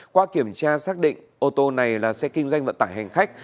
qua kiểm tra xác định ô tô này là xe kinh doanh vận tải hành khách